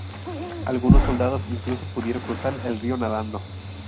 Algunos soldados incluso pudieron cruzar el río nadando.